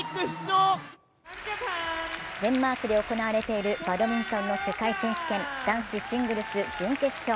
デンマークで行われているバドミントンの世界選手権、男子シングルス準決勝。